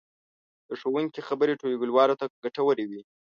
د ښوونکي خبرې ټولګیوالو ته ګټورې وې.